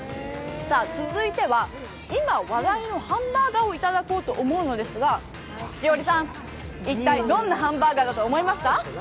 続いては今話題のハンバーガーをいただこうと思うのですが、栞里さん、一体どんなハンバーガーだと思いますか？